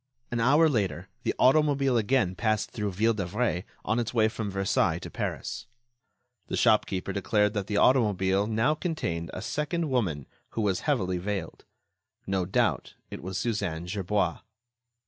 An hour later, the automobile again passed through Ville d'Avray on its way from Versailles to Paris. The shopkeeper declared that the automobile now contained a second woman who was heavily veiled. No doubt, it was Suzanne Gerbois.